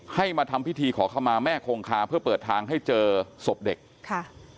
มาทำพิธีขอเข้ามาแม่คงคาเพื่อเปิดทางให้เจอศพเด็กค่ะ